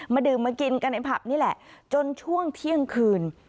ดื่มมากินกันในผับนี่แหละจนช่วงเที่ยงคืน